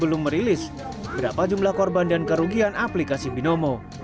belum merilis berapa jumlah korban dan kerugian aplikasi binomo